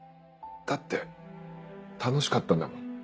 だって楽しかったんだもん。